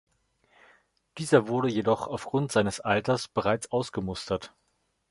Dieser wurde jedoch aufgrund seines Alters bereits ausgemustert.